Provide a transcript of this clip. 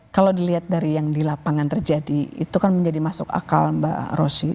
kalau dilihat dari yang di lapangan terjadi itu kan menjadi masuk akal mbak rosy